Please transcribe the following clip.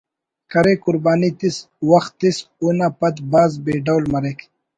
کرے قربانی تس وخت تس اونا پد بھاز بے ڈول مریک